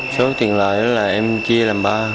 số tiền lợi là em chia làm ba